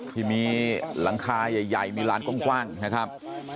ที่มีหลังคาใหญ่มีร้านกว้างนะครับ